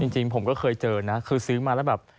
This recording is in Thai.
จริงผมก็เคยเจอนะคือซื้อมาแล้วแบบ